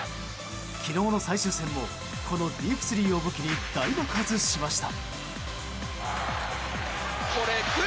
昨日の最終戦もこのディープスリーを武器に大爆発しました。